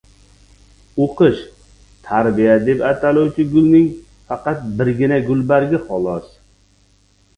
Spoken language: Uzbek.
O‘qish — tarbiya deb ataluvchi gulning faqat birgina gulbargi xolos.